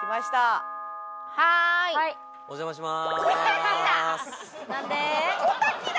お邪魔します。